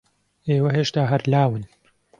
ئێوە ھێشتا ھەر لاون.